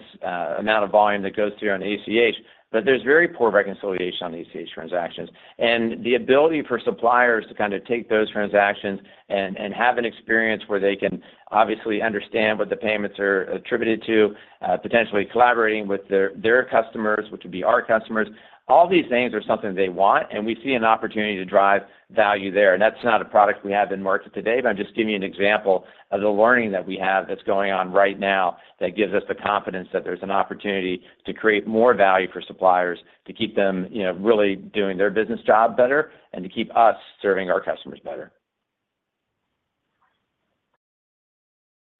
amount of volume that goes through on ACH, but there's very poor reconciliation on ACH transactions. And the ability for suppliers to kind of take those transactions and have an experience where they can obviously understand what the payments are attributed to, potentially collaborating with their customers, which would be our customers, all these things are something they want, and we see an opportunity to drive value there. That's not a product we have in market today, but I'm just giving you an example of the learning that we have that's going on right now, that gives us the confidence that there's an opportunity to create more value for suppliers, to keep them, you know, really doing their business job better, and to keep us serving our customers better.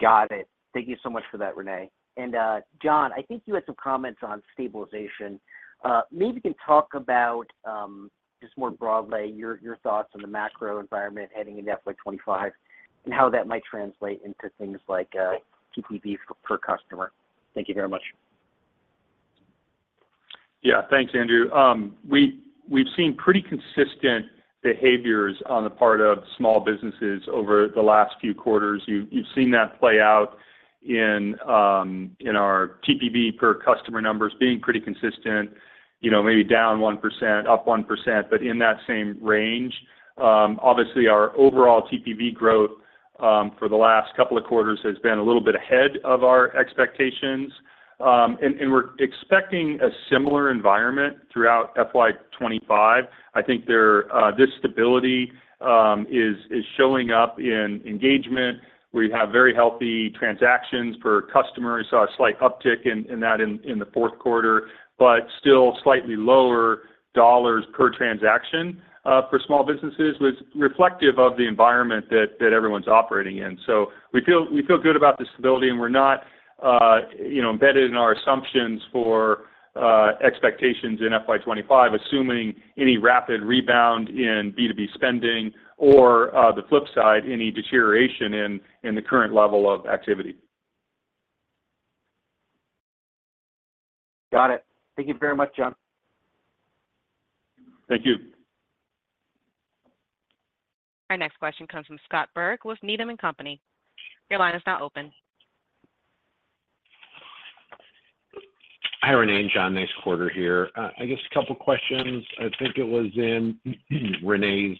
Got it. Thank you so much for that, René. And, John, I think you had some comments on stabilization. Maybe you can talk about, just more broadly, your thoughts on the macro environment heading into FY 2025, and how that might translate into things like, TPV per customer. Thank you very much. Yeah. Thanks, Andrew. We've seen pretty consistent behaviors on the part of small businesses over the last few quarters. You've seen that play out in our TPV per customer numbers being pretty consistent, you know, maybe down 1%, up 1%, but in that same range. Obviously, our overall TPV growth for the last couple of quarters has been a little bit ahead of our expectations. And we're expecting a similar environment throughout FY 2025. I think this stability is showing up in engagement, where you have very healthy transactions per customer. We saw a slight uptick in that in the fourth quarter, but still slightly lower dollars per transaction for small businesses was reflective of the environment that everyone's operating in. So we feel good about the stability, and we're not, you know, embedded in our assumptions for expectations in FY 2025, assuming any rapid rebound in B2B spending or, the flip side, any deterioration in the current level of activity. Got it. Thank you very much, John. Thank you. Our next question comes from Scott Burke with Needham & Company. Your line is now open. Hi, René and John. Nice quarter here. I guess a couple questions. I think it was in René's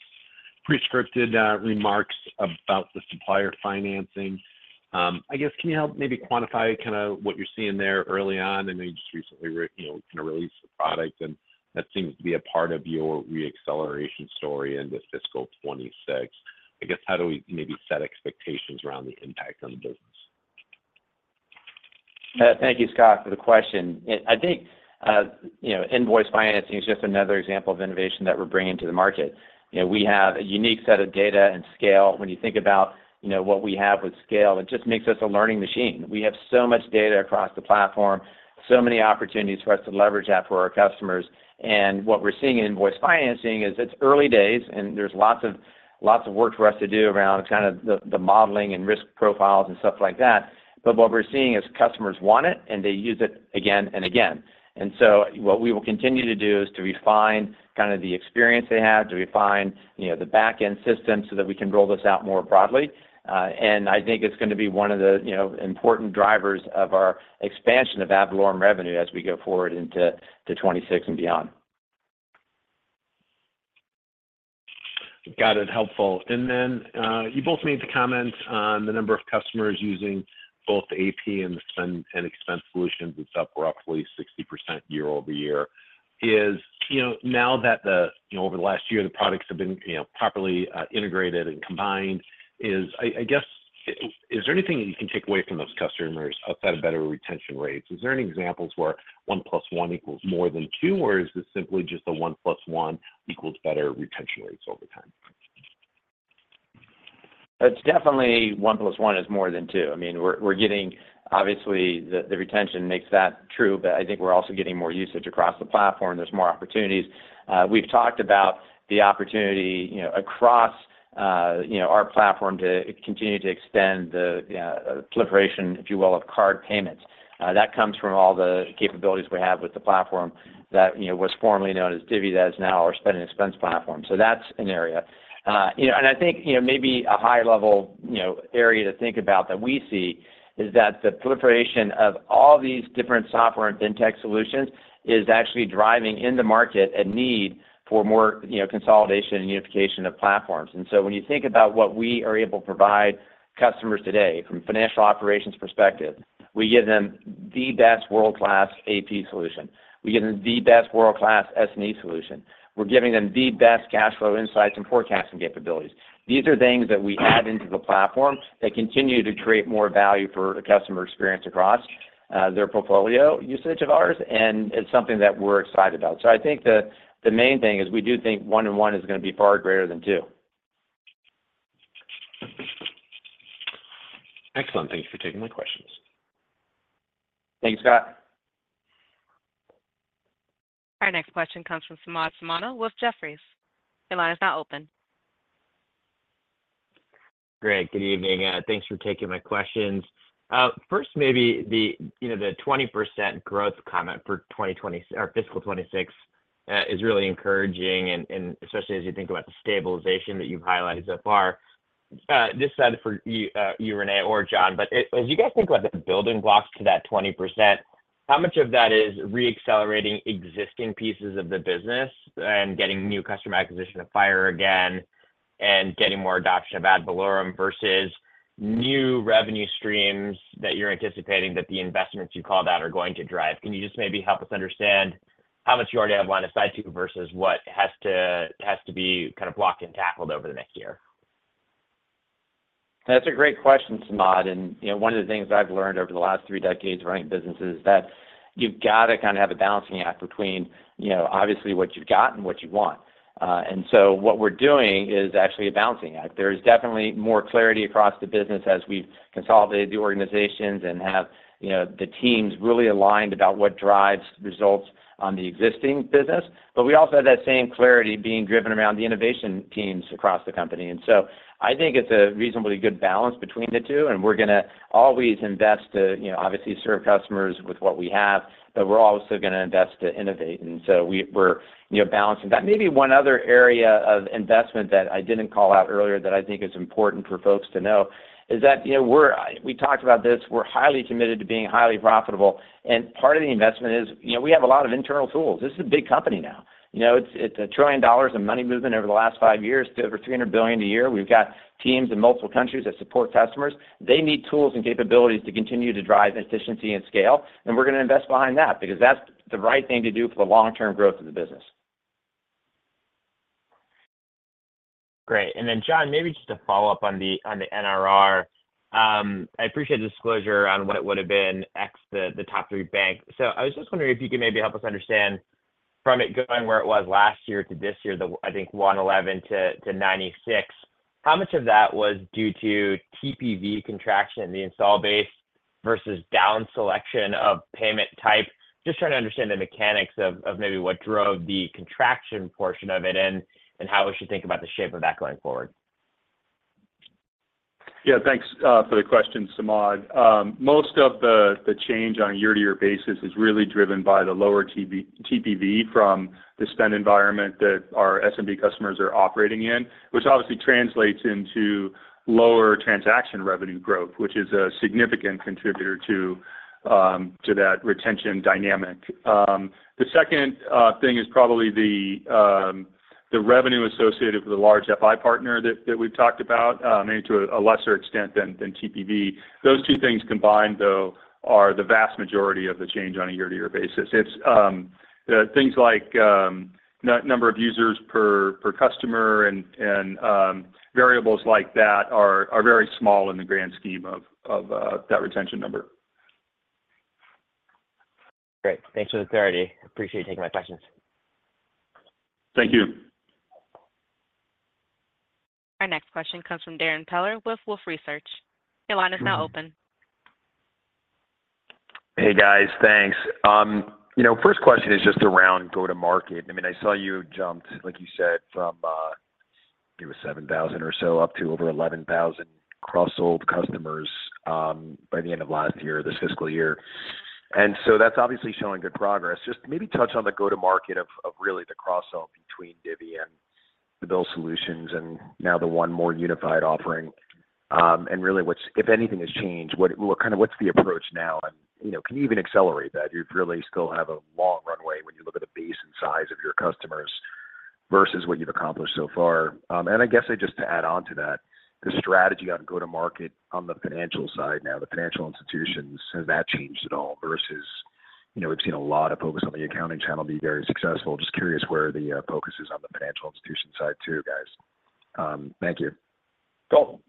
pre-scripted remarks about the supplier financing. I guess, can you help maybe quantify kind of what you're seeing there early on? I know you just recently, you know, kind of released the product, and that seems to be a part of your re-acceleration story into fiscal 2026. I guess, how do we maybe set expectations around the impact on the business? Thank you, Scott, for the question. I think, you know, invoice financing is just another example of innovation that we're bringing to the market. You know, we have a unique set of data and scale. When you think about, you know, what we have with scale, it just makes us a learning machine. We have so much data across the platform, so many opportunities for us to leverage that for our customers. And what we're seeing in invoice financing is, it's early days, and there's lots of, lots of work for us to do around kind of the modeling and risk profiles and stuff like that, but what we're seeing is customers want it, and they use it again and again. So what we will continue to do is to refine kind of the experience they have, to refine, you know, the back-end system so that we can roll this out more broadly. And I think it's gonna be one of the, you know, important drivers of our expansion of ad valorem revenue as we go forward into 2026 and beyond. Got it. Helpful. And then, you both made the comment on the number of customers using both AP and the Spend and Expense solutions, it's up roughly 60% year over year. You know, now that the, you know, over the last year, the products have been, you know, properly integrated and combined, I guess, is there anything that you can take away from those customers outside of better retention rates? Is there any examples where one plus one equals more than two, or is this simply just a one plus one equals better retention rates over time? It's definitely one plus one is more than two. I mean, we're getting. Obviously, the retention makes that true, but I think we're also getting more usage across the platform. There's more opportunities. We've talked about the opportunity, you know, across, you know, our platform to continue to extend the, proliferation, if you will, of card payments. That comes from all the capabilities we have with the platform that, you know, was formerly known as Divvy, that is now our Spend and Expense platform. So that's an area. You know, and I think, you know, maybe a high-level, you know, area to think about that we see is that the proliferation of all these different software and fintech solutions is actually driving, in the market, a need for more, you know, consolidation and unification of platforms. And so when you think about what we are able to provide customers today, from a financial operations perspective, we give them the best world-class AP solution. We give them the best world-class S&E solution. We're giving them the best cash flow insights and forecasting capabilities. These are things that we add into the platform that continue to create more value for the customer experience across their portfolio usage of ours, and it's something that we're excited about. So I think the main thing is we do think one and one is gonna be far greater than two. Excellent. Thank you for taking my questions. Thank you, Scott. Our next question comes from Samad Samana with Jefferies. Your line is now open. Great. Good evening, thanks for taking my questions. First, maybe the, you know, the 20% growth comment for 2024 or fiscal 2026 is really encouraging and, and especially as you think about the stabilization that you've highlighted so far. This is for you, you, René or John, but as you guys think about the building blocks to that 20%, how much of that is reaccelerating existing pieces of the business and getting new customer acquisition to fire again, and getting more adoption of ad valorem versus new revenue streams that you're anticipating that the investments you called out are going to drive? Can you just maybe help us understand how much you already have line of sight to versus what has to, has to be kind of blocked and tackled over the next year? That's a great question, Samad, and, you know, one of the things I've learned over the last three decades of running business is that you've got to kind of have a balancing act between, you know, obviously what you've got and what you want. And so what we're doing is actually a balancing act. There is definitely more clarity across the business as we've consolidated the organizations and have, you know, the teams really aligned about what drives results on the existing business. But we also have that same clarity being driven around the innovation teams across the company. And so I think it's a reasonably good balance between the two, and we're going to always invest to, you know, obviously, serve customers with what we have, but we're also going to invest to innovate, and so we're, you know, balancing. That may be one other area of investment that I didn't call out earlier that I think is important for folks to know, is that, you know, we're. We talked about this, we're highly committed to being highly profitable, and part of the investment is, you know, we have a lot of internal tools. This is a big company now. You know, it's $1 trillion in money movement over the last five years to over $300 billion a year. We've got teams in multiple countries that support customers. They need tools and capabilities to continue to drive efficiency and scale, and we're going to invest behind that because that's the right thing to do for the long-term growth of the business. Great. And then, John, maybe just a follow-up on the NRR. I appreciate the disclosure on what it would have been ex the top three banks. So I was just wondering if you could maybe help us understand from it going where it was last year to this year, the, I think, 111% to 96%, how much of that was due to TPV contraction in the install base versus down selection of payment type? Just trying to understand the mechanics of maybe what drove the contraction portion of it and how we should think about the shape of that going forward. Yeah, thanks, for the question, Samad. Most of the change on a year-to-year basis is really driven by the lower TPV from the spend environment that our SMB customers are operating in, which obviously translates into lower transaction revenue growth, which is a significant contributor to that retention dynamic. The second thing is probably the revenue associated with the large FI partner that we've talked about, maybe to a lesser extent than TPV. Those two things combined, though, are the vast majority of the change on a year-to-year basis. It's things like number of users per customer and variables like that are very small in the grand scheme of that retention number. Great. Thanks for the clarity. Appreciate you taking my questions. Thank you. Our next question comes from Darren Peller with Wolfe Research. Your line is now open. Hey, guys. Thanks. You know, first question is just around go-to-market. I mean, I saw you jumped, like you said, from it was seven thousand or so up to over eleven thousand cross-sold customers by the end of last year, this fiscal year. And so that's obviously showing good progress. Just maybe touch on the go-to-market of really the cross-sell between Divvy and the Bill solutions and now the one more unified offering. And really, what's if anything has changed, what kind of what's the approach now? And, you know, can you even accelerate that? You really still have a long runway when you look at the base and size of your customers versus what you've accomplished so far? And I guess I just to add on to that, the strategy on go-to-market on the financial side now, the financial institutions. Has that changed at all versus, you know, we've seen a lot of focus on the accounting channel be very successful? Just curious where the focus is on the financial institution side, too, guys. Thank you. Cool.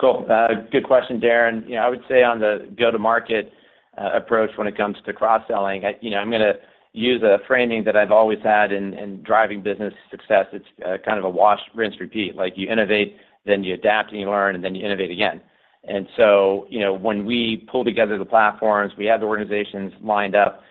Cool. Good question, Darren. You know, I would say on the go-to-market approach when it comes to cross-selling, I, you know, I'm going to use a framing that I've always had in driving business success. It's kind of a wash, rinse, repeat. Like, you innovate, then you adapt, and you learn, and then you innovate again. And so, you know, when we pull together the platforms, we have the organizations lined up,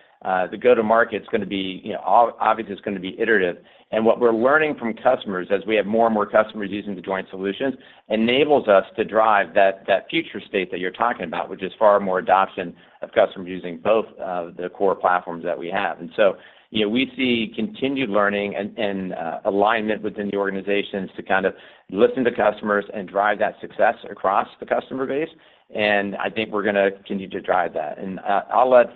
the go-to-market is going to be, you know, obviously, it's going to be iterative. And what we're learning from customers as we have more and more customers using the joint solutions enables us to drive that future state that you're talking about, which is far more adoption of customers using both the core platforms that we have. And so, you know, we see continued learning and alignment within the organizations to kind of listen to customers and drive that success across the customer base, and I think we're going to continue to drive that. And, I'll let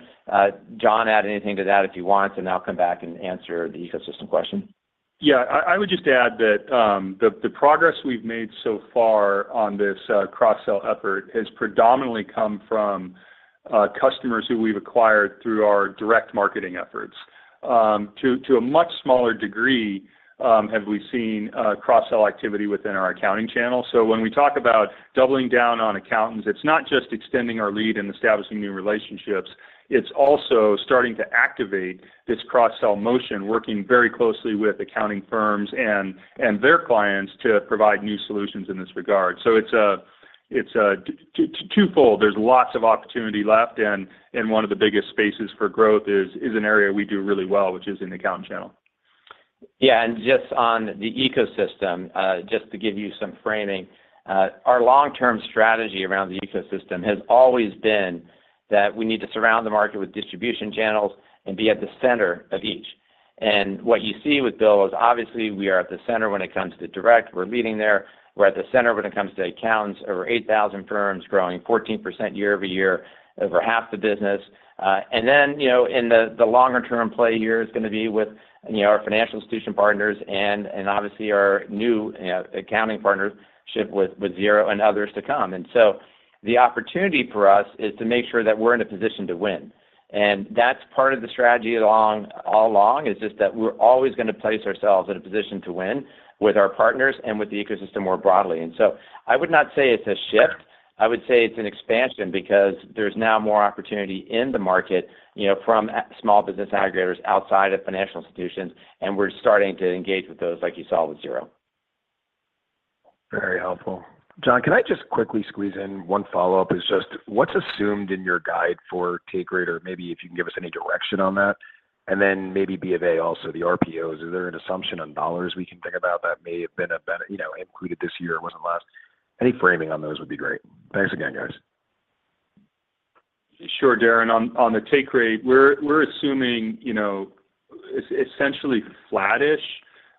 John add anything to that if you want, and I'll come back and answer the ecosystem question. Yeah. I would just add that, the progress we've made so far on this, cross-sell effort has predominantly come from, customers who we've acquired through our direct marketing efforts. To a much smaller degree, have we seen, cross-sell activity within our accounting channel. So when we talk about doubling down on accountants, it's not just extending our lead and establishing new relationships, it's also starting to activate this cross-sell motion, working very closely with accounting firms and their clients to provide new solutions in this regard. So it's a twofold. There's lots of opportunity left, and one of the biggest spaces for growth is an area we do really well, which is in the accounting channel. Yeah, and just on the ecosystem, just to give you some framing, our long-term strategy around the ecosystem has always been that we need to surround the market with distribution channels and be at the center of each. What you see with Bill is obviously we are at the center when it comes to direct. We're leading there. We're at the center when it comes to accountants, over eight thousand firms, growing 14% year over year, over half the business. And then, you know, in the longer-term play here is going to be with, you know, our financial institution partners and obviously our new accounting partnership with Xero and others to come. So the opportunity for us is to make sure that we're in a position to win. That's part of the strategy all along: is just that we're always gonna place ourselves in a position to win with our partners and with the ecosystem more broadly. So I would not say it's a shift. I would say it's an expansion because there's now more opportunity in the market, you know, from small business aggregators outside of financial institutions, and we're starting to engage with those like you saw with Xero. Very helpful. John, can I just quickly squeeze in one follow-up? It's just, what's assumed in your guide for take rate, or maybe if you can give us any direction on that, and then maybe B of A also, the RPOs. Is there an assumption on dollars we can think about that may have been a better- you know, included this year, it wasn't last? Any framing on those would be great. Thanks again, guys. Sure, Darren. On the take rate, we're assuming, you know, essentially flattish,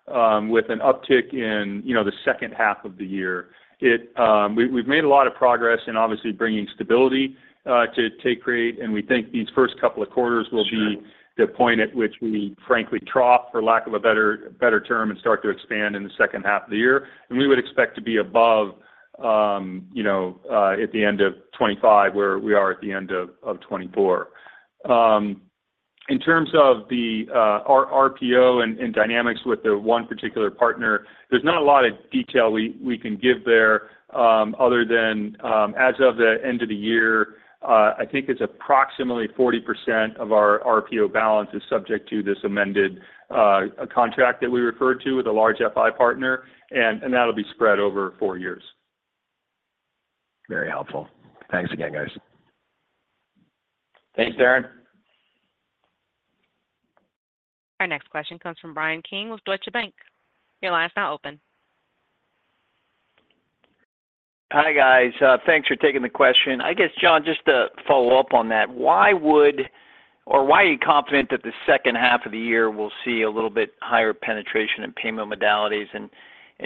with an uptick in, you know, the second half of the year. We've made a lot of progress in obviously bringing stability to take rate, and we think these first couple of quarters will be. Sure The point at which we frankly trough, for lack of a better term, and start to expand in the second half of the year. We would expect to be above, you know, at the end of 2025, where we are at the end of 2024. In terms of our RPO and dynamics with the one particular partner, there's not a lot of detail we can give there, other than, as of the end of the year, I think it's approximately 40% of our RPO balance is subject to this amended contract that we referred to with a large FI partner, and that'll be spread over four years. Very helpful. Thanks again, guys. Thanks, Darren. Our next question comes from Brian Keane with Deutsche Bank. Your line is now open. Hi, guys, thanks for taking the question. I guess, John, just to follow up on that, why would... or why are you confident that the second half of the year will see a little bit higher penetration in payment modalities? And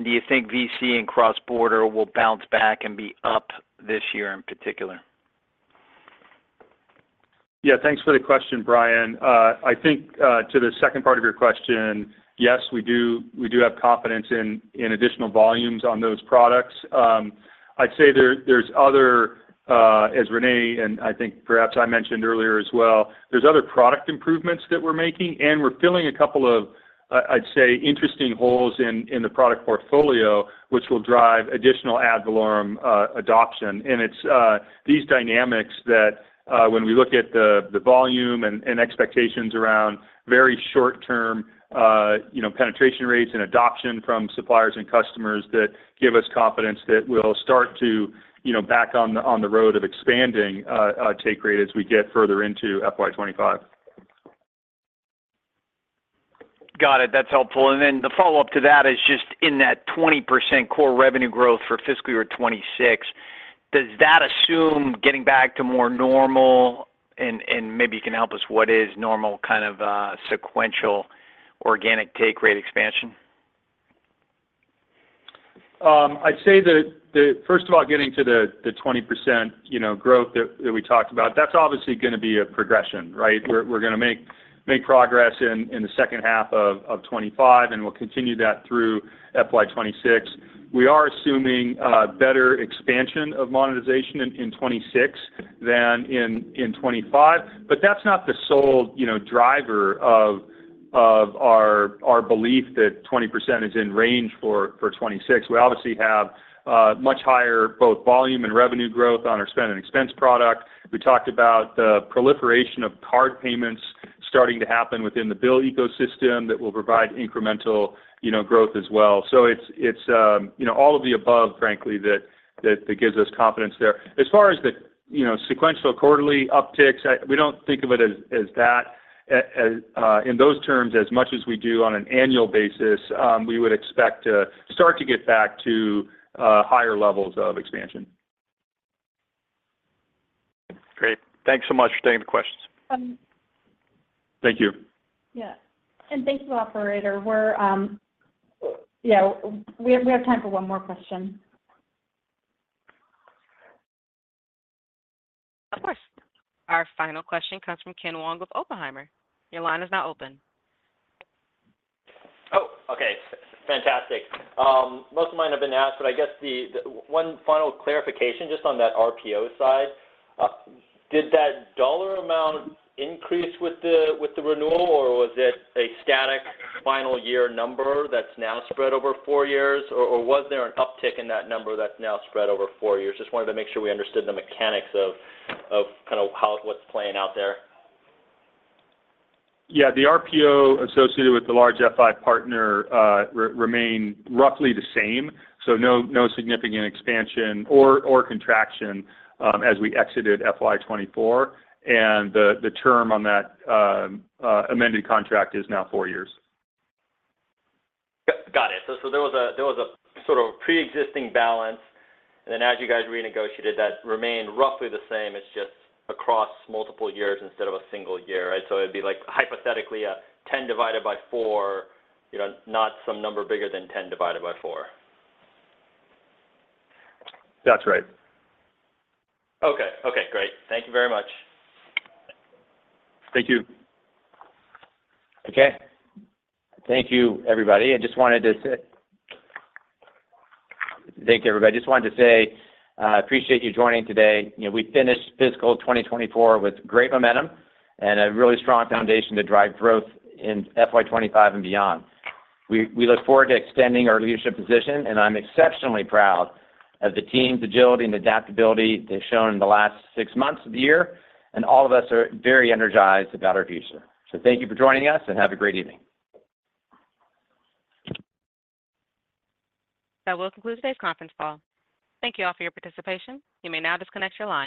do you think VC and cross-border will bounce back and be up this year in particular? Yeah, thanks for the question, Brian. I think to the second part of your question, yes, we do, we do have confidence in additional volumes on those products. I'd say there's other, as Rene and I think perhaps I mentioned earlier as well, there's other product improvements that we're making, and we're filling a couple of, I'd say, interesting holes in the product portfolio, which will drive additional ad valorem adoption. And it's these dynamics that, when we look at the volume and expectations around very short term, you know, penetration rates and adoption from suppliers and customers, that give us confidence that we'll start to, you know, back on the road of expanding take rate as we get further into FY 2025. Got it. That's helpful. And then the follow-up to that is just in that 20% core revenue growth for fiscal year 2026, does that assume getting back to more normal? And maybe you can help us, what is normal kind of, sequential organic take rate expansion? I'd say that first of all, getting to the 20%, you know, growth that we talked about, that's obviously gonna be a progression, right? We're gonna make progress in the second half of 2025, and we'll continue that through FY 2026. We are assuming better expansion of monetization in 2026 than in 2025, but that's not the sole, you know, driver of our belief that 20% is in range for 2026. We obviously have much higher both volume and revenue growth on our Spend and Expense product. We talked about the proliferation of card payments starting to happen within the Bill ecosystem that will provide incremental, you know, growth as well. So it's, you know, all of the above, frankly, that gives us confidence there. As far as the, you know, sequential quarterly upticks, we don't think of it as that, in those terms, as much as we do on an annual basis. We would expect to start to get back to higher levels of expansion. Great. Thanks so much for taking the questions. Okay Thank you. Yeah, and thank you, operator. We have time for one more question. Of course. Our final question comes from Ken Wong with Oppenheimer. Your line is now open. Oh, okay, fantastic. Most of mine have been asked, but I guess the one final clarification, just on that RPO side, did that dollar amount increase with the renewal, or was it a static final year number that's now spread over four years, or was there an uptick in that number that's now spread over four years? Just wanted to make sure we understood the mechanics of kind of how what's playing out there. Yeah, the RPO associated with the large FI partner remain roughly the same, so no significant expansion or contraction as we exited FY 2024. The term on that amended contract is now four years. Yep, got it. So there was a sort of preexisting balance, and then as you guys renegotiated, that remained roughly the same. It's just across multiple years instead of a single year, right? So it'd be like, hypothetically, a ten divided by four, you know, not some number bigger than ten divided by four. That's right. Okay. Okay, great. Thank you very much. Thank you. Okay. Thank you, everybody. I just wanted to say, I appreciate you joining today. You know, we finished fiscal 2024 with great momentum and a really strong foundation to drive growth in FY 2025 and beyond. We look forward to extending our leadership position, and I'm exceptionally proud of the team's agility and adaptability they've shown in the last six months of the year, and all of us are very energized about our future. So thank you for joining us, and have a great evening. That will conclude today's conference call. Thank you all for your participation. You may now disconnect your line.